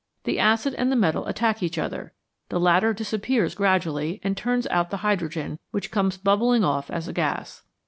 The acid and the metal attack each other, the latter disappears gradually and turns out the hydrogen, which comes bubbling off as a gas.